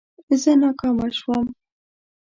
زه ناکامه شوم